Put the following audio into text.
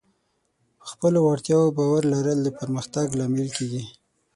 په خپلو وړتیاوو باور لرل د پرمختګ لامل کېږي.